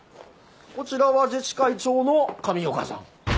こちらは自治会長の上岡さん。